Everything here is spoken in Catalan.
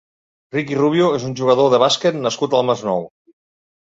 Ricky Rubio és un jugador de bàsquet nascut al Masnou.